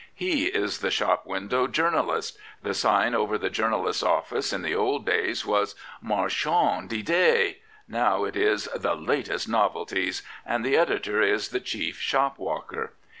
He is the "shop window ' journalist. The sign over the journalist's office in the old days was ' Marchand d'iddes.' Now it is ' The Latest Novelties,' and the editor is the chief shop walker.